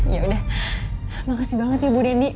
yaudah makasih banget ya bu dendi